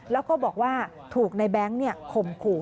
แล้วก็บอกว่าถูกในแบงค์ข่มขู่